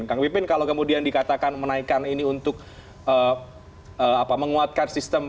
kang pipin kalau kemudian dikatakan menaikkan ini untuk menguatkan sistem